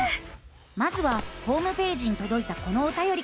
まずはホームページにとどいたこのおたよりから。